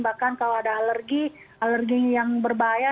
bahkan kalau ada alergi alergi yang berbahaya